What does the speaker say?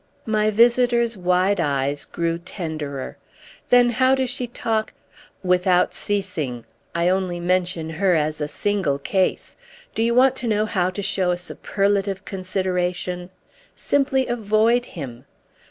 My visitor's wide eyes grew tenderer. "Then how does she talk—?" "Without ceasing. I only mention her as a single case. Do you want to know how to show a superlative consideration? Simply avoid him."